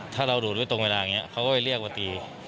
ถ้าเราดูดไว้ตรงเวลาอย่างนี้เขาก็ไปเรียกมาตี